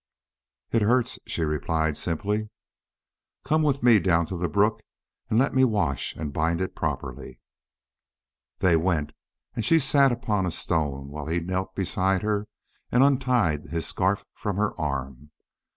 "It hurts," she replied, simply. "Come with me down to the brook and let me wash and bind it properly." They went, and she sat upon a stone while he knelt beside her and untied his scarf from her arm.